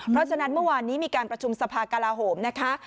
เพราะฉะนั้นเมื่อวานนี้มีการประชุมสภากลาโหมนะคะ